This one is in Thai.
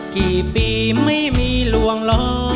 กี่ปีไม่มีลวงล้อ